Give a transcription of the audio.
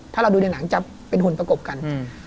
ถ้าเราดูในหนังจะเป็นหุ่นประกบกัน